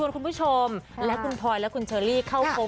คุณผู้ชมและคุณพลอยและคุณเชอรี่เข้าชม